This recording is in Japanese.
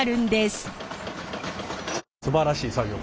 すばらしい作業。